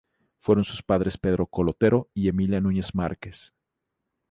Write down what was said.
Fueron sus padres Pedro Coll Otero y Emilia Núñez Márquez.